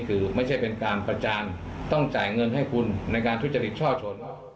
คือไม่ใช่เป็นการประจานต้องจ่ายเงินให้คุณในการทุจริตช่อชน